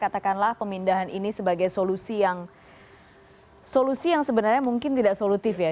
katakanlah pemindahan ini sebagai solusi yang solusi yang sebenarnya mungkin tidak solutif ya